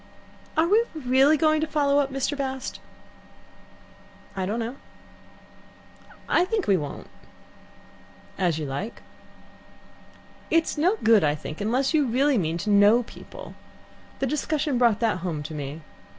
"Are we really going to follow up Mr. Bast?" "I don't know." "I think we won't." "As you like." "It's no good, I think, unless you really mean to know people. The discussion brought that home to me.